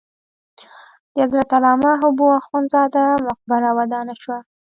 د حضرت علامه حبو اخند زاده مقبره ودانه شوه.